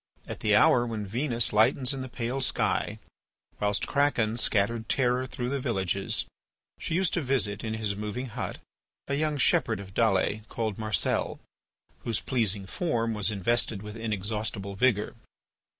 At the hour when Venus lightens in the pale sky, whilst Kraken scattered terror through the villages, she used to visit in his moving hut, a young shepherd of Dalles called Marcel, whose pleasing form was invested with inexhaustible vigour.